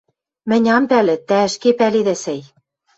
— Мӹнь ам пӓлӹ, тӓ ӹшке пӓледӓ, сӓй...